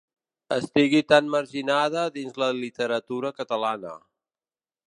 Estigui tan marginada dins la literatura catalana.